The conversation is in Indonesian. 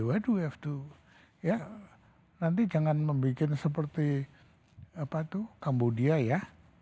what do we have to ya nanti jangan membuat seperti apa itu cambodia ya